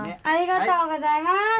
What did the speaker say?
ありがとうございます。